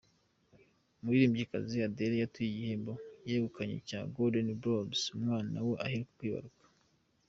Umuririmbyikazi Adele yatuye igihembo yegukanye cya Golden Blobes umwana we aheruka kwibaruka.